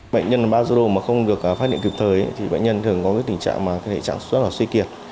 bệnh nhân bajedo mà không được phát hiện kịp thời thì bệnh nhân thường có tình trạng mà hệ trạng rất là suy kiệt